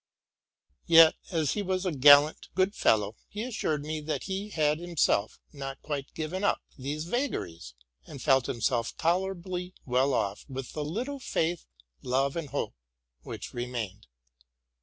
Yet, as he was a gallant, good fellow, he assured me that he had himself not quite given up these vagaries, and felt himself tolerably well off with the little faith, love, and hope which remained.